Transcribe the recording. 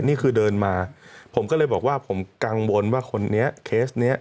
นี่คือเดินมาผมก็เลยบอกว่าผมกังวลว่าคนนี้เคสเนี้ย